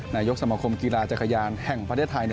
นายกสมคมกีฬาจักรยานแห่งประเทศไทย